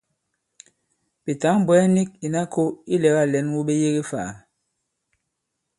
Ɓè tǎŋ-bwɛ̀ɛ nik ìna kō ilɛ̀gâ lɛ̌n wu ɓe yege fâ?